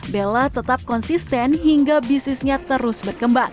bella tetap konsisten hingga bisnisnya terus berkembang